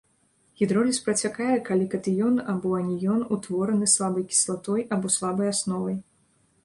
Гідроліз працякае, калі катыён або аніён утвораны слабай кіслатой або слабай асновай.